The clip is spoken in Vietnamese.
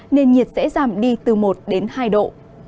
nền nhiệt sẽ giảm đi từ một đến hai độ